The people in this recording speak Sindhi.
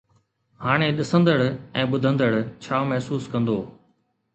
هاڻي ڏسندڙ ۽ ٻڌندڙ ڇا محسوس ڪندو؟